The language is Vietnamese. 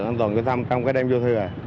an toàn giao thông trong đêm giao thừa